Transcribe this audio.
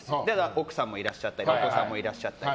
奥さんもいらっしゃったりお子さんもいらっしゃったり。